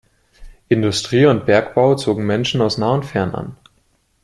Industrie und Bergbau zogen Menschen aus nah und fern an.